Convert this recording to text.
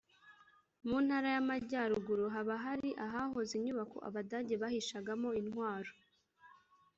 mu Ntara y’Amajyaruguru) haba hari ahahoze inyubako Abadage bahishagamo intwaro